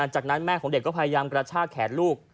จากนั้นแม่ของเด็กก็พยายามกระชากแขนลูก